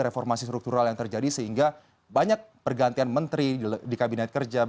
reformasi struktural yang terjadi sehingga banyak pergantian menteri di kabinet kerja